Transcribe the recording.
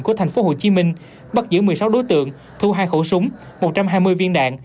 của thành phố hồ chí minh bắt giữ một mươi sáu đối tượng thu hai khẩu súng một trăm hai mươi viên đạn